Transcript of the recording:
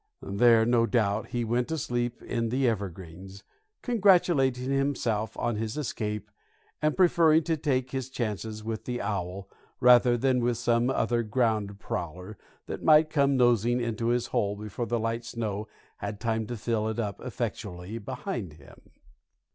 There, no doubt, he went to sleep in the evergreens, congratulating himself on his escape and preferring to take his chances with the owl, rather than with some other ground prowler that might come nosing into his hole before the light snow had time to fill it up effectually behind him.